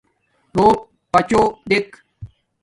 روپ پچوں دیکھ